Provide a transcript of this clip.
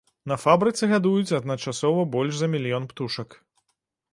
На фабрыцы гадуюць адначасова больш за мільён птушак.